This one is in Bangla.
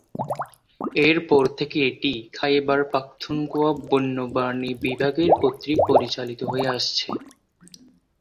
এরপর থেকে এটি খাইবার পাখতুনখোয়া বন্যপ্রাণী বিভাগের কর্তৃক পরিচালিত হয়ে আসছে।